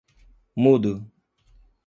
Mudo.